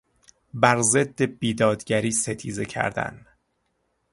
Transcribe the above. بر ضد بیدادگری ستیزه کردن